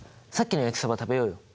さっきの焼きそば食べようよ。